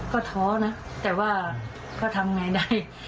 ก็ท้อนะแต่ว่าก็ทำไงได้